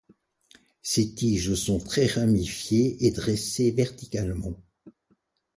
Ses tiges sont très ramifiées et dressées verticalement.